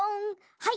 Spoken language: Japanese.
はい！